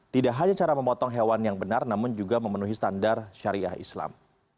tidak hanya cara memotong hewan yang benar namun juga memenuhi standar syariah islam